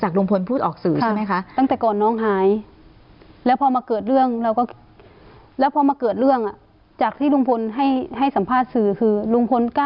ก็ยังพูดเหมือนเดิมอีก